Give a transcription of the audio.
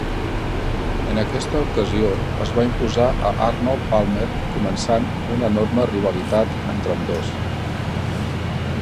En aquesta ocasió es va imposar a Arnold Palmer començant una enorme rivalitat entre ambdós.